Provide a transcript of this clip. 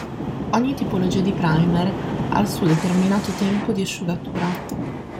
Ogni tipologia di primer ha il suo determinato tempo di asciugatura.